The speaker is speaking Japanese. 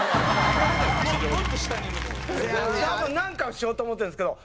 多分なんかをしようと思ってるんですけど。